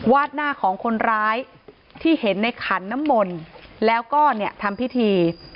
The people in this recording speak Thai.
หน้าของคนร้ายที่เห็นในขันน้ำมนต์แล้วก็เนี่ยทำพิธี